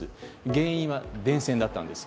原因は電線だったんです。